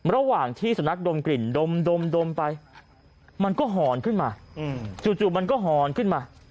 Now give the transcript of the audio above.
ระหว่างที่สุนัขดมกลิ่นดมไปมันก็หอนขึ้นมาจู่มันก็หอนขึ้นมา